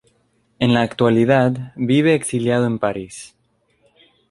En la actualidad vive exiliado en París.